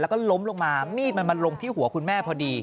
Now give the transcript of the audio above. แล้วก็ล้มลงมามีดมันมาลงที่หัวคุณแม่พอดี